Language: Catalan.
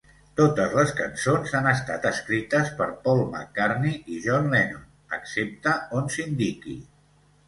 Totes les cançons han estat escrites per Paul McCartney i John Lennon, excepte on s'indiqui.